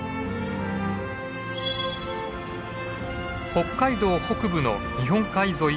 北海道北部の日本海沿い